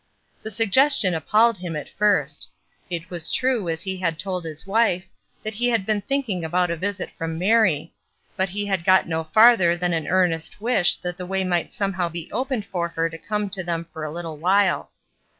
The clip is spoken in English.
The sugges tion appalled him at first. It was true, as he had told his wife, that he had been thinking about a visit from Mary; but he had got no farther than an earnest wish that the way might somehow be opened for her to come to them for a httle while.